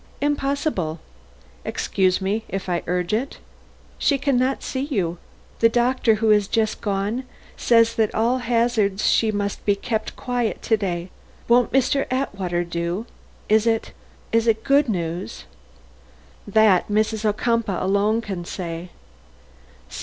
"Impossible." "Excuse me, if I urge it." "She can not see you. The doctor who has just gone says that at all hazards she must be kept quiet to day. Won't Mr. Atwater do? Is it is it good news?" "That, Mrs. Ocumpaugh alone can say."